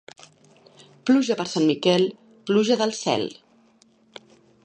Pluja per Sant Miquel, pluja del cel.